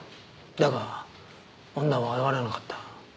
だが女は現れなかった。